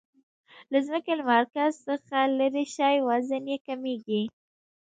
د ځمکې له مرکز څخه لیرې شئ وزن یي کمیږي.